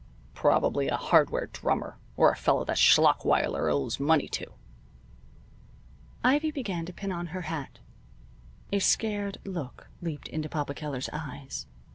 "Probably a hardware drummer, or a fellow that Schlachweiler owes money to." Ivy began to pin on her hat. A scared look leaped into Papa Keller's eyes.